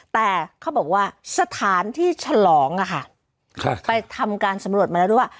แต่เขาบอกว่าสถานที่ฉลองไปทำการสำรวจมาแล้วด้วยว่า